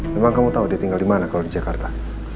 memang kamu tahu dia tinggal di mana kalau di jakarta